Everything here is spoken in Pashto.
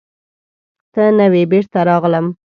ته نه وې، بېرته راغلم.